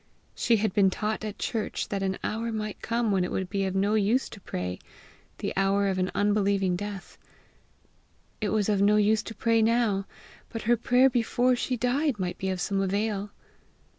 She had been taught at church that an hour might come when it would be of no use to pray the hour of an unbelieving death: it was of no use to pray now, but her prayer before she died might be of some avail!